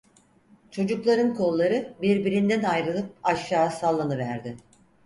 Çocukların kolları birbirinden ayrılıp aşağı sallanıverdi.